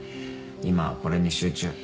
今はこれに集中。